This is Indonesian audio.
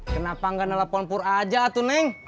kenapa gak nelfon pur aja tuh neng